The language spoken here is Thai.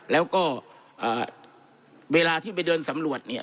แล้วก็เวลาที่ไปเดินสำรวจเนี่ย